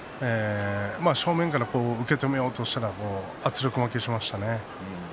正面から受け止めようとしたら圧力負けしましたね。